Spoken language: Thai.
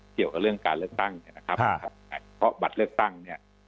เกี่ยวกับเรื่องการเลือกตั้งเนี่ยนะครับเพราะบัตรเลือกตั้งเนี่ย